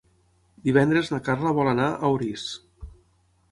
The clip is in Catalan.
Divendres na Carla vol anar a Orís.